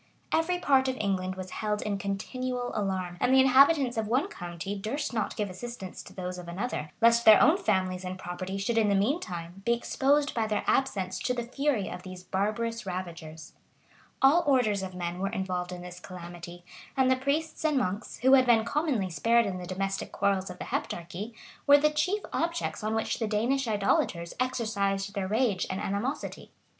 Every part of England was held in continual alarm; and the inhabitants of one county durst not give assistance to those of another, lest their own families and property should in the mean time be exposed by their absence to the fury of these barbarous ravagers.[*] [* Alured. Beverl. p. 108.] All orders of men were involved in this calamity; and the priests and monks, who had been commonly spared in the domestic quarrels of the Heptarchy, were the chief objects on which the Danish idolaters exercised their rage and animosity.